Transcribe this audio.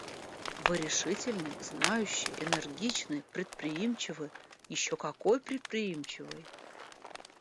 Вы решительный, знающий, энергичный, предприимчивый еще какой предприимчивый.